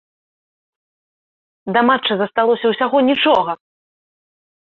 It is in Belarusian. Да матча засталося ўсяго нічога!